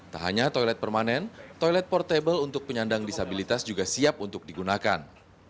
tak hanya toilet permanen toilet portable untuk penyandang disabilitas juga siap untuk digunakan